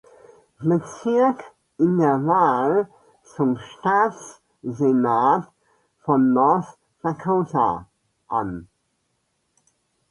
Bezirk in der Wahl zum Staatssenat von North Dakota an.